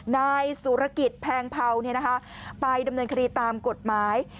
นายสุรกิจแพงเผาไปดำเนินคดีตามกฎหมาย